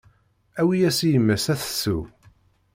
Awi-yas i yemma-s ad tsew.